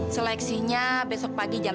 seleksinya besok pagi jam satu